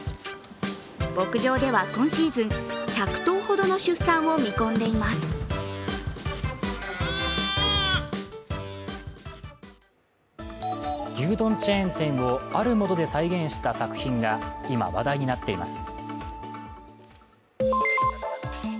牧場では今シーズン、１００頭ほどの出産を見込んでいます牛丼チェーン店をあるもので再現した作品が今、話題になっています。